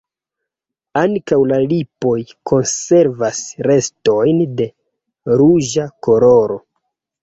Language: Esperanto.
Ankaŭ la lipoj konservas restojn de ruĝa koloro.